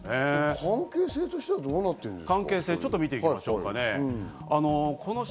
関係性としてはどうなってるんですか？